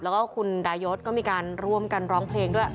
แล้วก็คุณดายศก็มีการร่วมกันร้องเพลงด้วย